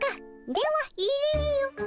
では入れよ。